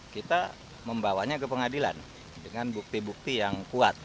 kita membawanya ke pengadilan dengan bukti bukti yang kuat